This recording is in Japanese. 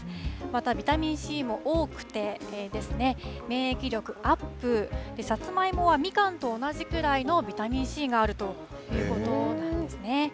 またビタミンＣも多くて、免疫力アップ、さつまいもはみかんと同じくらいのビタミンＣがあるということなんですね。